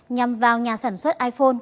nhằm vào nhà sản xuất iphone